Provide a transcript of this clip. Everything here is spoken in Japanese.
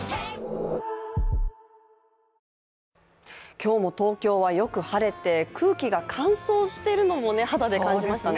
今日も東京はよく晴れて空気が乾燥しているのも肌で感じましたね。